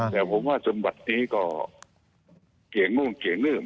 แต่ผมว่าจนบัดนี้ก็เกี่ยงนู่นเกี่ยงนึ่ง